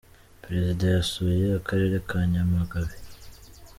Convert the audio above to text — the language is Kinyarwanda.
perezida yasuye akarere ka nyamagabe.